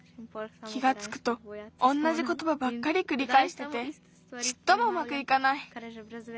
気がつくとおんなじことばばっかりくりかえしててちっともうまくいかない。